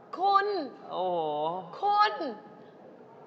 คุณคุณโอ้โฮ